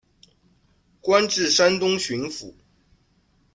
官至山东巡抚。